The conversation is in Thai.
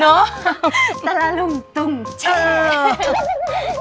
เนอะตระลุ่มตุ้งแช่